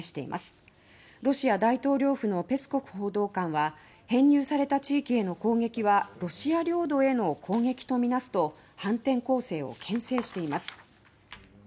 ロシア大統領府のぺスコフ報道官は「編入された地域への攻撃はロシア領土への攻撃とみなす」と反転攻勢をけん制しています。